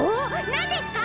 なんですか？